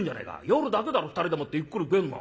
夜だけだろ２人でもってゆっくり食えんのは。